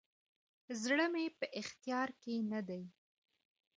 زړه مي په اختیار کي نه دی،